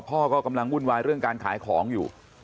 พ่อก็กำลังวุ่นวายเรื่องการขายของอยู่